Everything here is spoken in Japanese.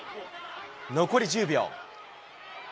残り１０秒。